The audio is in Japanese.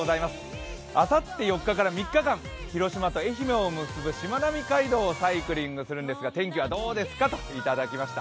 あさって４日から３日間、広島と愛媛を結ぶしまなみ海道をサイクリングするんですが、天気はどうですか？といただきました。